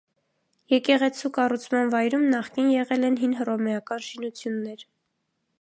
Եկեղեցու կառուցման վայրում նախկին եղել են հին հռոմեական շինություններ։